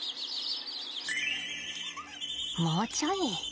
もうちょい。